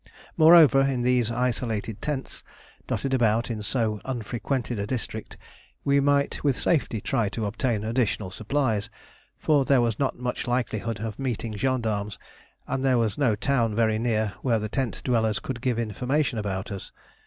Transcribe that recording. Moreover, in these isolated tents, dotted about in so unfrequented a district, we might with safety try to obtain additional supplies, for there was not much likelihood of meeting gendarmes, and there was no town very near where the tent dwellers could give information about us.